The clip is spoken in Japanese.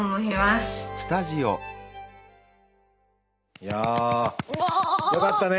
いやあよかったね！